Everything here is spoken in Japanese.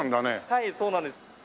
はいそうなんです。